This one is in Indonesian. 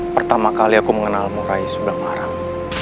pertama kali aku mengenalmu rais sumpang larang